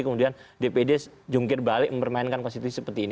kemudian dpd jungkir balik mempermainkan konstitusi seperti ini